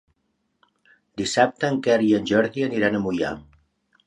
Dissabte en Quer i en Jordi iran a Moià.